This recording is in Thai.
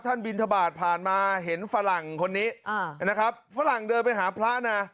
บินทบาทผ่านมาเห็นฝรั่งคนนี้นะครับฝรั่งเดินไปหาพระนะ